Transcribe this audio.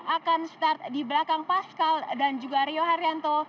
akan start di belakang pascal dan juga rio haryanto